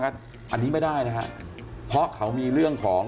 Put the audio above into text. อันนี้ไม่ได้นะฮะเพราะเขามีเรื่องของ